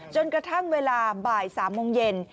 จนกระทั่งเวลาบ่าย๓โมงเย็น